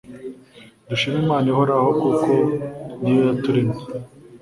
Dushime Imana ihoraho kuko niyo yaturemye